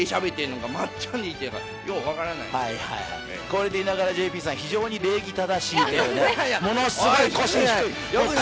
こうやっていいながら、ＪＰさん、非常に礼儀正しいというね。